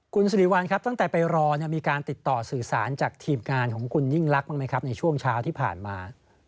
คุณสิริวัลครับตั้งแต่ไปรอมีการติดต่อสื่อสารจากทีมงานของคุณยิ่งลักษณ์บ้างไหมครับในช่วงเช้าที่ผ่านมา